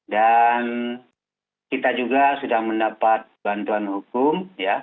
dan kita juga sudah mendapat bantuan hukum